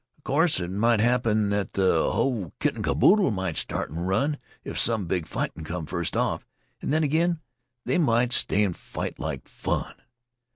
"Of course it might happen that the hull kit and boodle might start and run, if some big fighting came first off, and then again they might stay and fight like fun.